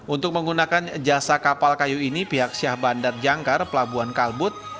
untuk menggunakan jasa kapal kayu ini pihak syah bandar jangkar pelabuhan kalbut